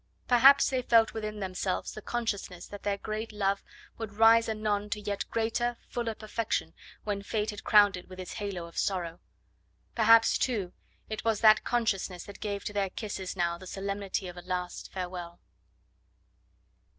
Perhaps they felt within themselves the consciousness that their great love would rise anon to yet greater, fuller perfection when Fate had crowned it with his halo of sorrow. Perhaps, too, it was that consciousness that gave to their kisses now the solemnity of a last farewell.